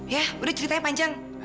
ya udah ceritanya panjang